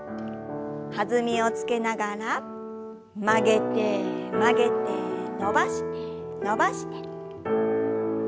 弾みをつけながら曲げて曲げて伸ばして伸ばして。